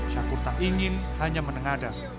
syakur tak ingin hanya menengada